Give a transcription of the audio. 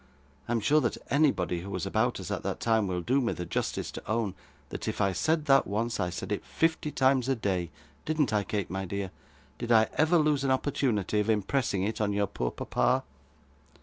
I am sure that anybody who was about us at that time, will do me the justice to own, that if I said that once, I said it fifty times a day. Didn't I, Kate, my dear? Did I ever lose an opportunity of impressing it on your poor papa?